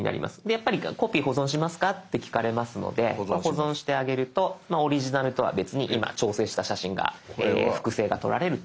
やっぱりコピー保存しますかって聞かれますので保存してあげるとオリジナルとは別に今調整した写真が複製がとられるっていうことです。